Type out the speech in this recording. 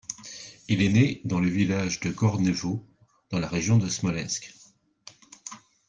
Il est né dans le village de Gornevo dans la région de Smolensk.